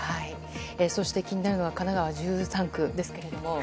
そして気になるのが神奈川１３区ですけれども。